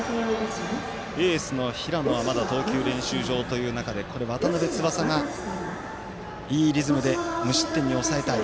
エースの平野はまだ投球練習場という中で渡邉翼が、いいリズムで無失点に抑えたい。